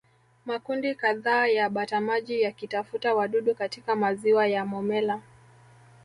Makundi kadhaa ya batamaji yakitafuta wadudu katika maziwa ya Momella